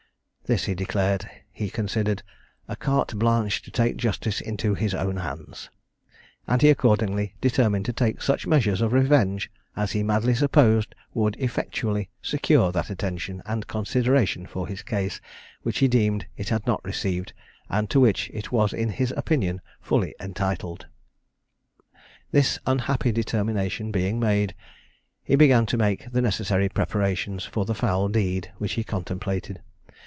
This he declared he considered "a carte blanche to take justice into his own hands," and he accordingly determined to take such measures of revenge as he madly supposed would effectually secure that attention and consideration for his case, which he deemed it had not received, and to which it was in his opinion fully entitled. This unhappy determination being made, he began to make the necessary preparations for the foul deed which he contemplated.